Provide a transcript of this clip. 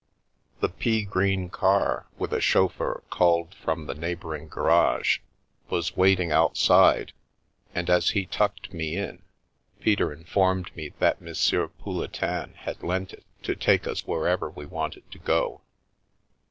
The pea green car, with a chauffeur culled from a neighbouring garage, was waiting outside, and as he tucked me in, Peter informed me that M. Pouletin had lent it, to take us wherever we wanted to go.